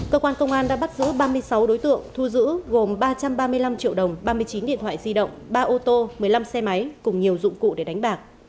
cơ quan công an đã bắt giữ ba mươi sáu đối tượng thu giữ gồm ba trăm ba mươi năm triệu đồng ba mươi chín điện thoại di động ba ô tô một mươi năm xe máy cùng nhiều dụng cụ để đánh bạc